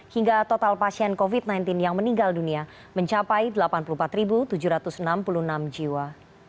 hingga total pasien covid sembilan belas yang meninggal dunia mencapai delapan puluh empat tujuh ratus enam puluh enam jiwa